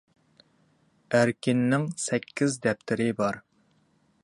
ئەركىننىڭ سەككىز دەپتىرى بار.